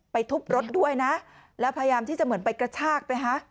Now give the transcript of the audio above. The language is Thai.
ทุบรถด้วยนะแล้วพยายามที่จะเหมือนไปกระชากไปฮะ